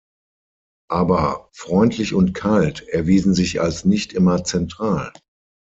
Aber "freundlich" und "kalt" erwiesen sich als nicht immer zentral.